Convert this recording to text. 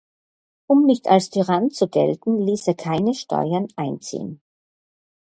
Um nicht als Tyrann zu gelten ließ er keine Steuern einziehen.